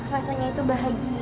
rasanya itu bahagia